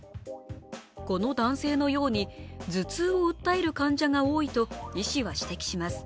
この男性のように、頭痛を訴える患者が多いと医師は指摘します。